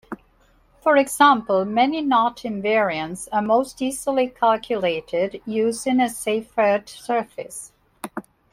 For example, many knot invariants are most easily calculated using a Seifert surface.